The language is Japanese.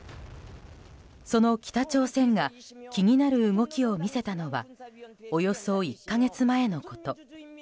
その北朝鮮が気になる動きを見せたのはおよそ１か月前のこと。